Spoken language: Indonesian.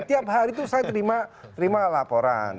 tiap hari itu saya terima laporan